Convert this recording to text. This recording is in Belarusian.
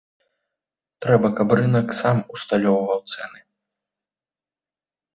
Трэба, каб рынак сам усталёўваў цэны.